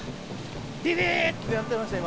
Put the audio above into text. ビビ！ってなってました今。